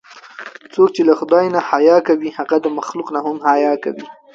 څوک چې له خدای نه حیا کوي، هغه د مخلوق نه هم حیا کوي.